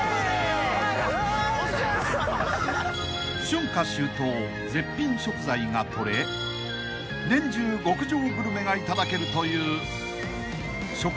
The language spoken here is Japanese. ［春夏秋冬絶品食材がとれ年中極上グルメが頂けるという］